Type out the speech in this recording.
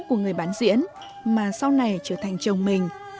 để bán diễn mà sau này trở thành chồng mình